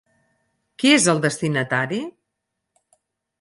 Qui és el destinatari?